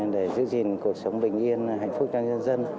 để giữ gìn cuộc sống bình yên hạnh phúc cho nhân dân